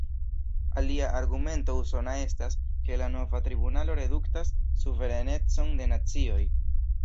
Alia argumento usona estas, ke la nova tribunalo reduktas suverenecon de nacioj.